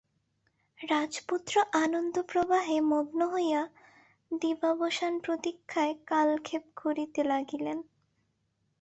রাজপুত্র আনন্দপ্রবাহে মগ্ন হইয়া দিবাবসানপ্রতীক্ষায় কালক্ষেপ করিতে লাগিলেন।